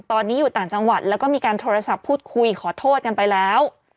ตอนนี้อยู่ต่างจังหวัดแล้วก็มีการโทรศัพท์พูดคุยขอโทษกันไปแล้ว